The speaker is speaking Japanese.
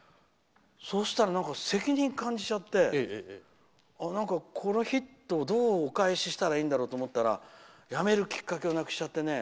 そしたら責任感じちゃってこのヒットをどうお返ししたらいいんだろうと思ったらやめるきっかけをなくしちゃって。